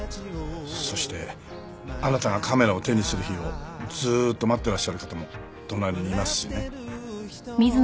そしてあなたがカメラを手にする日をずーっと待ってらっしゃる方も隣にいますしね。